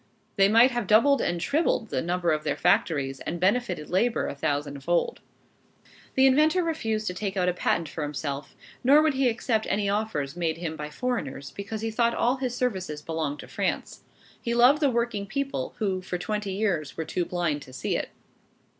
They might have doubled and trebled the number of their factories, and benefited labor a thousand fold. The inventor refused to take out a patent for himself, nor would he accept any offers made him by foreigners, because he thought all his services belonged to France. He loved the working people, who, for twenty years, were too blind to see it.